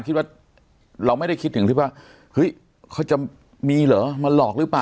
คิดว่าเราไม่ได้คิดถึงคลิปว่าเฮ้ยเขาจะมีเหรอมาหลอกหรือเปล่า